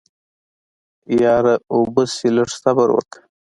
يره وبه شي لږ صبر وکه.